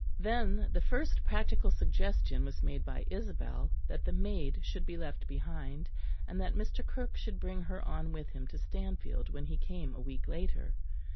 Then the first practical suggestion was made by Isabel that the maid should be left behind, and that Mr. Kirke should bring her on with him to Stanfield when he came a week later.